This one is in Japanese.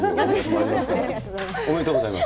ありがとうございます。